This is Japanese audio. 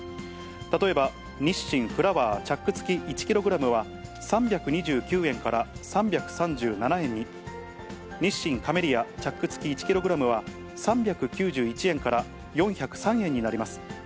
例えば日清フラワーチャック付１ｋｇは、３２９円から３３７円に、日清カメリヤチャック付１ｋｇは、３９１円から４０３円になります。